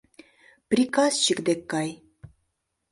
Приказчик дек кай.